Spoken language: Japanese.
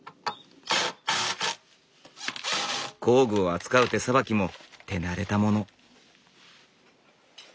工具を扱う手さばきも手慣れたもの。